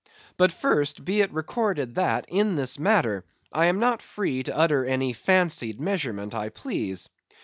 But first, be it recorded, that, in this matter, I am not free to utter any fancied measurement I please.